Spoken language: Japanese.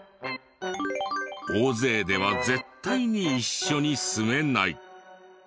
大勢では絶対に一緒に住めない。